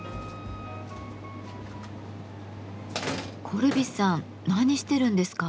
コルビさん何してるんですか？